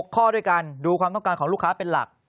ข้อด้วยกันดูความต้องการของลูกค้าเป็นหลัก